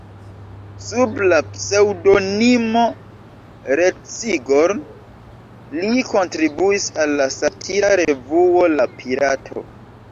Sub la pseŭdonimo "Retsigor" li kontribuis al la satira revuo La Pirato.